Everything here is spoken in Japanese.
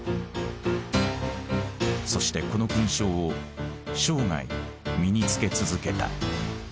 そしてこの勲章を生涯身に着け続けた。